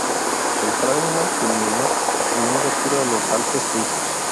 El trauma culminó en un retiro a los Alpes suizos.